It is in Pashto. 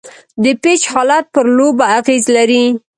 د پيچ حالت پر لوبه اغېز لري.